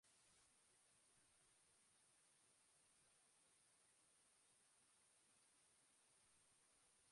Liburu honek Oteizaren bizitzaren urte ezberdinetan bildutako olerkiak ditu.